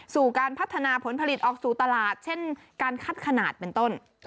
สู่การพัฒนาผลผลิตออกสู่ตลาดเช่นการคัดขนาดเป็นต้น